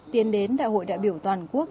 tiến đến đại hội đại biểu toàn quốc